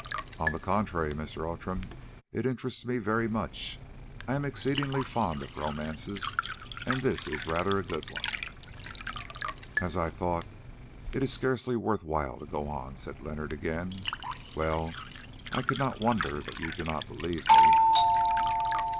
"On the contrary, Mr. Outram, it interests me very much. I am exceedingly fond of romances, and this is rather a good one." "As I thought; it is scarcely worth while to go on," said Leonard again. "Well, I cannot wonder that you do not believe me."